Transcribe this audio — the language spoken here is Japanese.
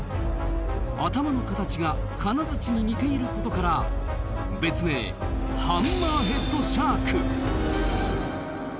頭の形が金づちに似ていることから別名ハンマーヘッドシャーク。